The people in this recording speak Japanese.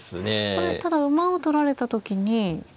これただ馬を取られた時に。